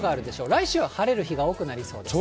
来週は晴れる日が多くなりそうです。